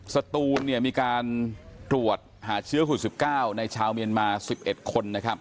ศตูนมีการตรวจหาเชื้อขุด๑๙ในชาวเมียนมา๑๑คน